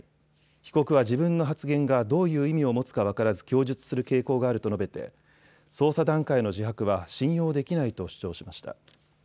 被告は自分の発言がどういう意味を持つか分からず供述する傾向があると述べて捜査段階の自白は信用できないと主張しました。